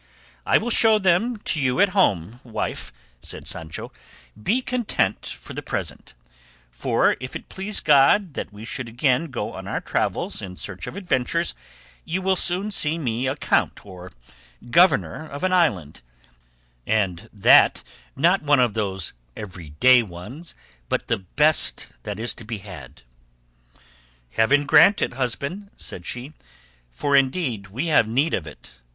"I will show them to you at home, wife," said Sancho; "be content for the present; for if it please God that we should again go on our travels in search of adventures, you will soon see me a count, or governor of an island, and that not one of those everyday ones, but the best that is to be had." "Heaven grant it, husband," said she, "for indeed we have need of it.